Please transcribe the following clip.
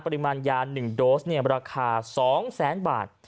ปริมาณยา๑โดสราคา๒แสนบาท